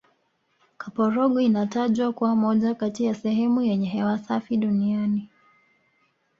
kaporogwe inatajwa kuwa moja kati ya sehemu yenye hewa safi duniani